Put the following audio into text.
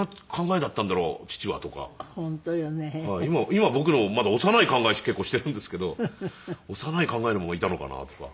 今僕のまだ幼い考え結構しているんですけど幼い考えのままいたのかなとか。